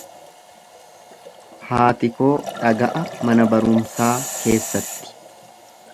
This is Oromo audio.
Haati koo dhaga'a mana barumsaa keessatti.